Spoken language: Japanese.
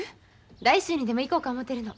来週にでも行こうか思てるの。